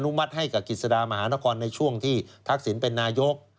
อนุมัติให้กับกฤษดามหานครในช่วงที่ทักศิลป์เป็นนายก